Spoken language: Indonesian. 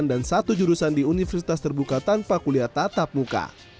dan satu jurusan di universitas terbuka tanpa kuliah tatap muka